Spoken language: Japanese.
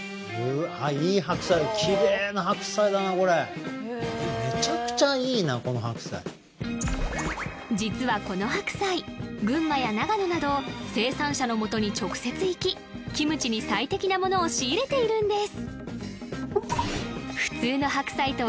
めちゃくちゃいいなこの白菜実はこの白菜群馬や長野など生産者のもとに直接行きキムチに最適なものを仕入れているんです